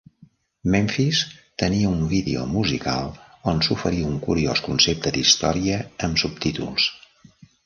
"Memphis..." tenia un vídeo musical on s'oferia un curiós concepte d'història amb subtítols.